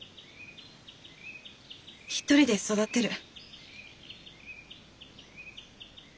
一人で育てる。